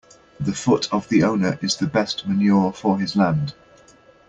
The foot of the owner is the best manure for his land.